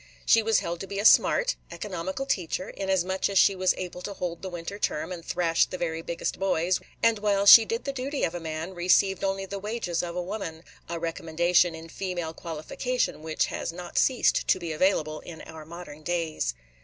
She was held to be a "smart," economical teacher, inasmuch as she was able to hold the winter term, and thrash the very biggest boys, and, while she did the duty of a man, received only the wages of a woman, – a recommendation in female qualification which has not ceased to be available in our modern days.